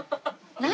何？